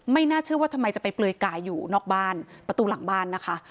น่าเชื่อว่าทำไมจะไปเปลือยกายอยู่นอกบ้านประตูหลังบ้านนะคะ